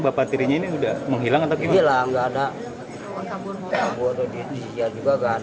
bapak dirinya ini udah menghilang atau gila enggak ada kabur kabur di juga